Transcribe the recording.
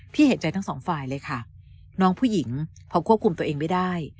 เห็นใจทั้งสองฝ่ายเลยค่ะน้องผู้หญิงพอควบคุมตัวเองไม่ได้